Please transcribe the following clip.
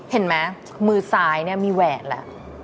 เห็นไหมมือซ้ายมีแหวนละ